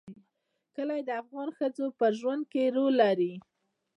کلي د افغان ښځو په ژوند کې رول لري.